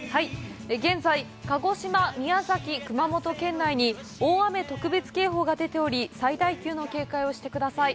現在、鹿児島、宮崎、熊本県内に大雨特別警報が出ており、最大級の警戒をしてください。